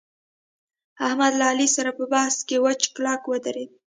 احمد له علي سره په بحث کې وچ کلک ودرېدل